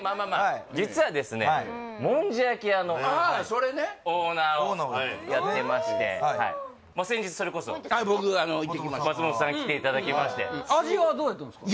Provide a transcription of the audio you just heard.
実はですねああそれねをやってまして先日それこそはい僕行ってきました松本さんに来ていただきまして味はどうやったんですか？